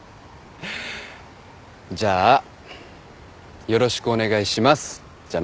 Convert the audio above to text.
じゃあ「よろしくお願いします」じゃない？